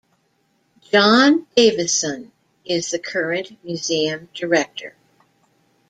John Davison is the current museum director.